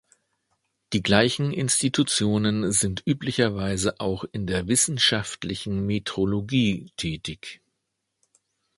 Die gleichen Institutionen sind üblicherweise auch in der "wissenschaftlichen" Metrologie tätig.